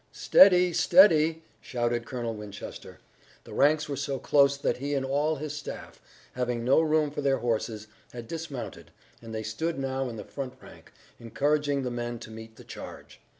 "Steady! Steady!" shouted Colonel Winchester. The ranks were so close that he and all of his staff, having no room for their horses, had dismounted, and they stood now in the front rank, encouraging the men to meet the charge.